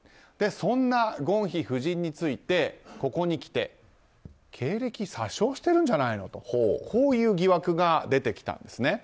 そんなゴンヒ夫人についてここにきて経歴詐称してるんじゃないのという疑惑が出てきたんです。